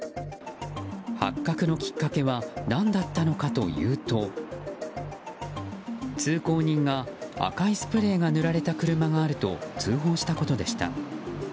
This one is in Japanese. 発覚のきっかけは何だったのかというと通行人が、赤いスプレーが塗られた車があると通報したことでした。